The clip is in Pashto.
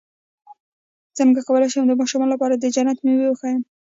څنګه کولی شم د ماشومانو لپاره د جنت مېوې وښایم